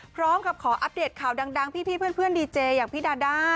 พร้อมกับขออัปเดตข่าวดังพี่เพื่อนดีเจอย่างพี่ดาด้า